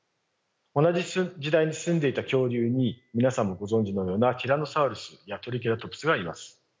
同じ時代に棲んでいた恐竜に皆さんもご存じのようなティラノサウルスやトリケラトプスがいます。